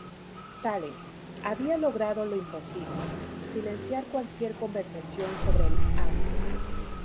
Stalin ""había logrado lo imposible: silenciar cualquier conversación sobre el hambre...